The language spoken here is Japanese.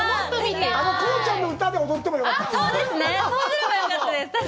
あの幸ちゃんの歌で踊ってもよかった。